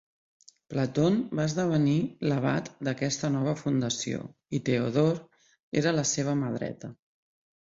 Platon va esdevenir l'abat d'aquesta nova fundació, i Theodore era la seva mà dreta.